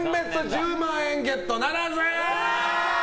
１０万円ゲットならず。